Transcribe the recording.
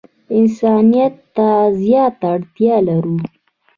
انسانیت ته زیاته اړتیا لرو.